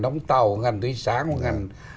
đóng tàu ngành tuy sản ngành